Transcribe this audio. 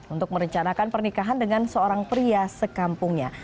untuk merencanakan pernikahan dengan seorang pria sekampungnya